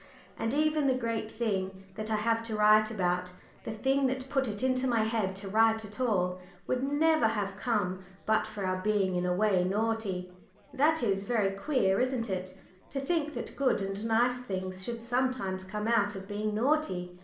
And even the great thing that I have to write about, the thing that put it into my head to write at all, would never have come but for our being in a way naughty that is very queer, isn't it? To think that good and nice things should sometimes come out of being naughty!